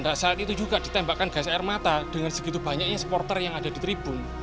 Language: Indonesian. dan saat itu juga ditembakkan gas air mata dengan segitu banyaknya supporter yang ada di tribun